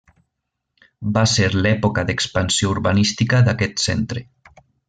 Va ser l'època d'expansió urbanística d'aquest centre.